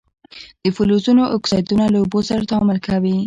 د فلزونو اکسایدونه له اوبو سره تعامل کوي.